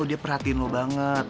dia perhatiin lo banget